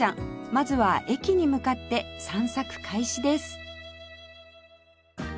まずは駅に向かって散策開始です